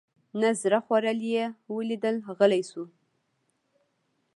نه زړه خوړل یې ولیدل غلی شو.